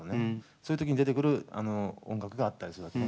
そういう時に出てくる音楽があったりするのね。